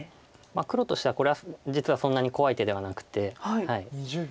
黒としてはこれは実はそんなに怖い手ではなくて。